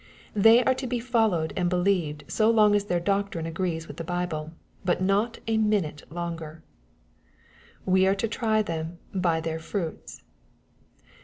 They are to be followed and believed, so long as their doctrine agcfies^wlth the Bible, but not a minute longer. — We are to try them " by their fruits.''